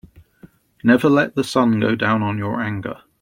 Never let the sun go down on your anger.